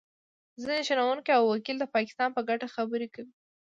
ځینې شنونکي او وکیل د پاکستان په ګټه خبرې کوي